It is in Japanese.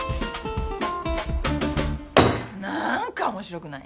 なんか面白くない！